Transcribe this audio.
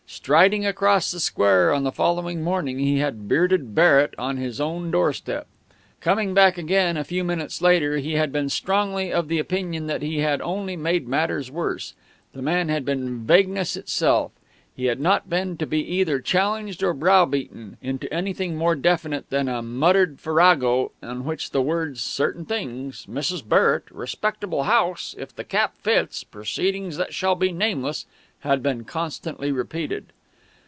Striding across the square on the following morning, he had bearded Barrett on his own doorstep. Coming back again a few minutes later, he had been strongly of opinion that he had only made matters worse. The man had been vagueness itself. He had not been to be either challenged or browbeaten into anything more definite than a muttered farrago in which the words "Certain things ... Mrs. Barrett ... respectable house ... if the cap fits ... proceedings that shall be nameless," had been constantly repeated.